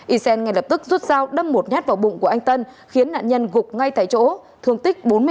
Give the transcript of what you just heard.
ysen ngay lập tức rút dao đâm một nhát vào bụng của anh tân khiến nạn nhân gục ngay tại chỗ thương tích bốn mươi năm